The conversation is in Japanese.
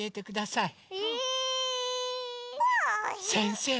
せんせい！